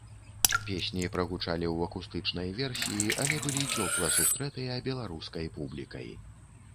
Песні прагучалі ў акустычнай версіі, але былі цёпла сустрэтыя беларускай публікай.